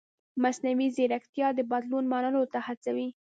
مصنوعي ځیرکتیا د بدلون منلو ته هڅوي.